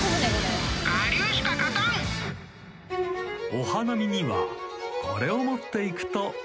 ［お花見にはこれを持っていくと便利ですよ］